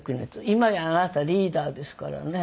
今やあなたリーダーですからね。